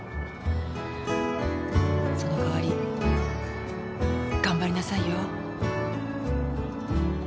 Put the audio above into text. その代わり頑張りなさいよ。